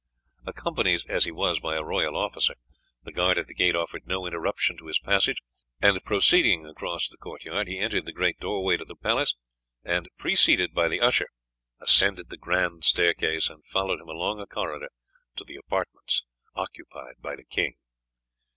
Accompanied as he was by a royal officer, the guard at the gate offered no interruption to his passage, and proceeding across the court yard he entered the great doorway to the palace, and, preceded by the usher, ascended the grand staircase and followed him along a corridor to the apartments occupied by the king.